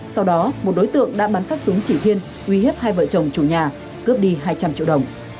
sau đó một đối tượng đã bắn phát súng chỉ thiên uy hiếp hai vợ chồng chủ nhà cướp đi hai trăm linh triệu đồng